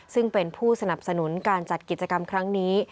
ซึ่งเป็นผู้สนับสนุนการจัดกิจกรรมครั้งนี้